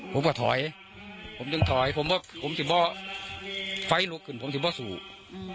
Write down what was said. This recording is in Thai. ผมก็ถอยผมจึงถอยผมว่าผมจะบอกไฟลุกขึ้นผมจะบอกสูก